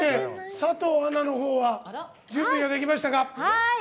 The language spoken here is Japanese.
佐藤アナのほうは準備はできましたか？